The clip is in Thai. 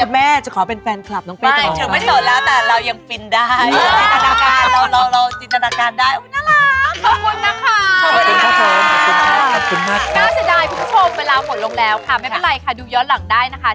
ไม่เป็นไรค่ะดูย้อนหลังได้นะคะ